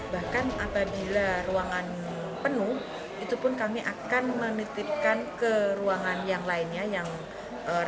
bahkan apabila ruangan penuh itu pun kami akan menitipkan ke ruangan yang lainnya